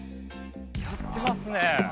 やってますね。